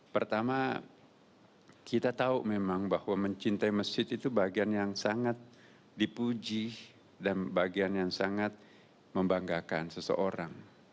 pertama kita tahu memang bahwa mencintai masjid itu bagian yang sangat dipuji dan bagian yang sangat membanggakan seseorang